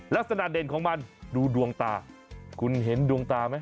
ลักษณะเด่นของมันดูดวงตาคุณเห็นดวงตาไหม